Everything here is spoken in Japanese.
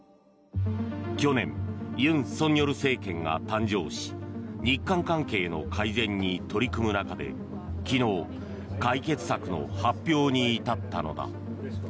去年、尹錫悦政権が誕生し日韓関係の改善に取り組む中で昨日、解決策の発表に至ったのだ。